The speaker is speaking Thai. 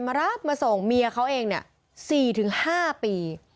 มารับมาส่งเมียเขาเอง๔๕ปี